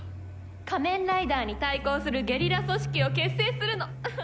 仮面ライダーに対抗するゲリラ組織を結成するの。